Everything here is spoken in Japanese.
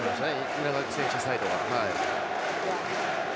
稲垣選手サイドが。